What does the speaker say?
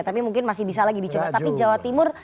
tapi mungkin masih bisa lagi dicoba tapi jawa timur